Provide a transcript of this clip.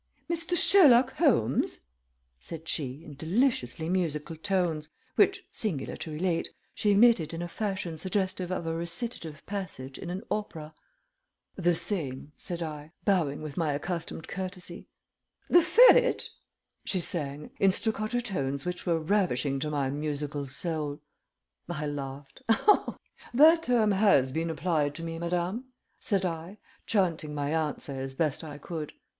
"Mr. Sherlock Holmes?" said she, in deliciously musical tones, which, singular to relate, she emitted in a fashion suggestive of a recitative passage in an opera. "The same," said I, bowing with my accustomed courtesy. "The ferret?" she sang, in staccato tones which were ravishing to my musical soul. I laughed. "That term has been applied to me, madame," said I, chanting my answer as best I could.